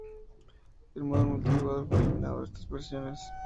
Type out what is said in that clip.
El modo multijugador fue eliminado de estas versiones.